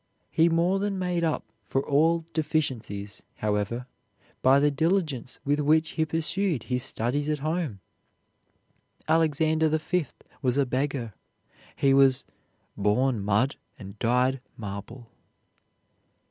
He more than made up for all deficiencies, however, by the diligence with which he pursued his studies at home. Alexander V was a beggar; he was "born mud, and died marble."